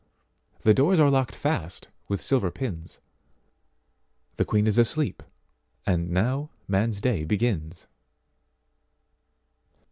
The doors are locked fast with silver pins; The Queen is asleep and now man's day begins.